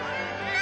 何？